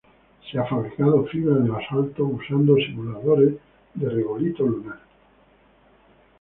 Se ha fabricado fibra de basalto usando simuladores de regolito lunar.